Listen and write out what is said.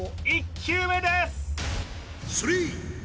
１球目です